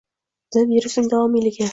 d - virusning davomiyligi